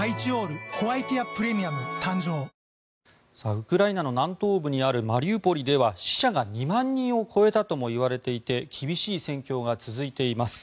ウクライナの南東部にあるマリウポリでは死者が２万人を超えたともいわれていて厳しい戦況が続いています。